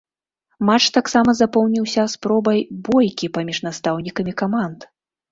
Матч таксама запомніўся спробай бойкі паміж настаўнікамі каманд.